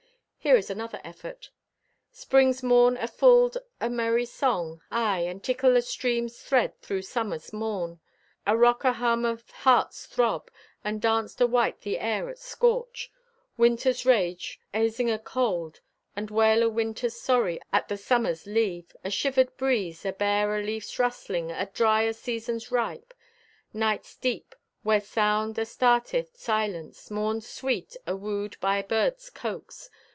Here is another effort: Spring's morn afulled o' merry song, Aye, and tickle o' streams thread through Summer's noon; Arock o' hum o' hearts throb, And danced awhite the air at scorch; Winter's rage asing o' cold And wail o' Winter's sorry at the Summer's leave; Ashivered breeze, abear o' leaf's rustling At dry o' season's ripe; Night's deep, where sound astarteth silence; Morn's sweet, awooed by bird's coax.